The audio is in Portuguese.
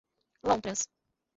Lontras